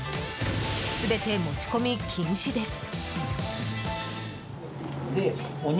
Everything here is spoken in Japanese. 全て持ち込み禁止です。